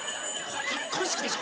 結婚式でしょ。